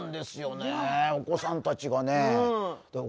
お子さんたちがね